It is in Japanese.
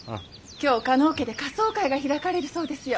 今日加納家で仮装会が開かれるそうですよ。